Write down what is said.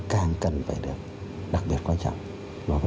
càng cần phải được đặc biệt quan trọng